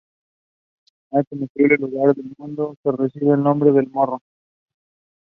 The instrumental features bright synth pads and moderately mixed drum sequencing and bass rhythms.